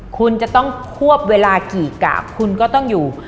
คุณจะต้องควบเวลากี่กาบคุณก็ต้องอยู่